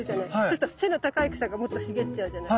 すると背の高い草がもっと茂っちゃうじゃない。